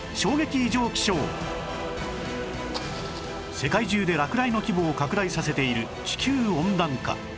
世界中で落雷の規模を拡大させている地球温暖化